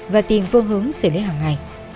và tìm phương hướng xử lý hàng ngày